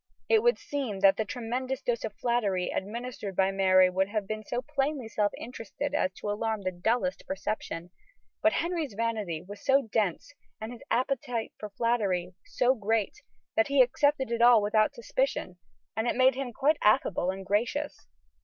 It would seem that the tremendous dose of flattery administered by Mary would have been so plainly self interested as to alarm the dullest perception, but Henry's vanity was so dense, and his appetite for flattery so great, that he accepted it all without suspicion, and it made him quite affable and gracious.